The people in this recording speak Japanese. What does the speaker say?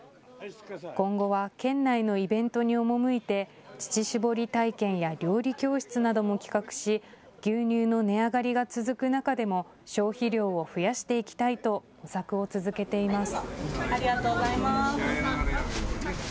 今後は県内のイベントに赴いて乳搾り体験や料理教室なども企画し牛乳の値上がりが続く中でも消費量を増やしていきたいと模索を続けています。